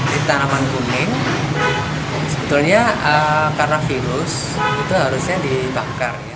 di tanaman kuning sebetulnya karena virus itu harusnya dibakar